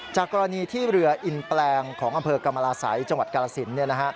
จากกรณีที่เรืออินแปลงของอำเภอกรรมราศัยจังหวัดกาลสิน